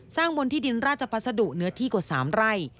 บนที่ดินราชพัสดุเนื้อที่กว่า๓ไร่